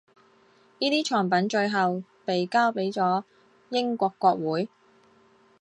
这些藏品最后被交给了英国国会。